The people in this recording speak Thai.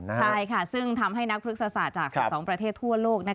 ใช่ค่ะซึ่งทำให้นักพฤกษศาสตร์จาก๑๒ประเทศทั่วโลก